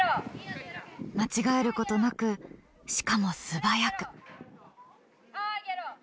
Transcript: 間違えることなくしかも素早く。